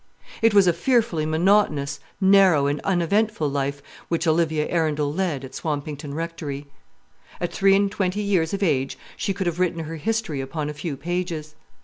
It was a fearfully monotonous, narrow, and uneventful life which Olivia Arundel led at Swampington Rectory. At three and twenty years of age she could have written her history upon a few pages.